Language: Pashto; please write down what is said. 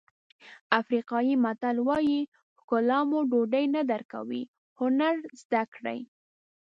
افریقایي متل وایي ښکلا مو ډوډۍ نه درکوي هنر زده کړئ.